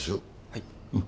はい。